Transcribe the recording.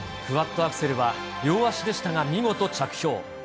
クワッドアクセルは両足でしたが見事着氷。